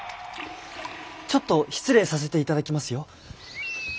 ちょっと失礼させていただきますよ。